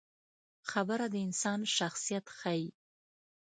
خبره د انسان شخصیت ښيي.